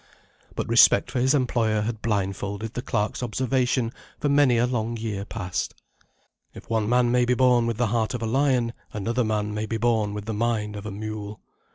But respect for his employer had blindfolded the clerk's observation for many a long year past. If one man may be born with the heart of a lion, another man may be born with the mind of a mule.